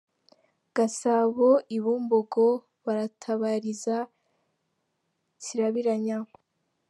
Gasabo I Bumbogo baratabariza Kirabiranya